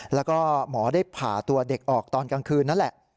แล้วก็หมอได้ผ่าตัวเด็กออกตอนกลางคืนนั่นแหละ